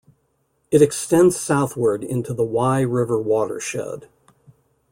It extends southward into the Wye River watershed.